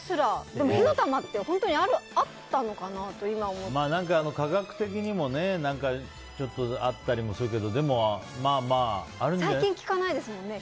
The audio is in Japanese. でも火の玉って本当にあったのかなって科学的にもあったりするけど最近、聞かないですよね